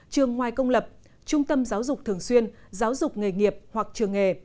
trường ngoài công lập trung tâm giáo dục thường xuyên giáo dục nghề nghiệp hoặc trường nghề